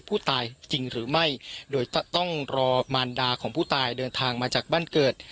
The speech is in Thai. ผู้ตายจริงหรือไม่โดยต้องรอมารดาของผู้ตายเดินทางมาจากบ้านเกิด